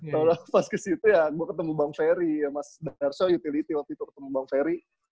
terus pas kesitu ya gue ketemu bang ferry ya mas darsono utility waktu itu ketemu bang ferry